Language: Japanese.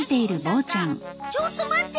ちょっと待って！